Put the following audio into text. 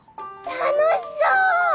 楽しそう！